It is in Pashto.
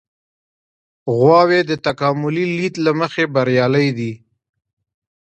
غواوې د تکاملي لید له مخې بریالۍ دي.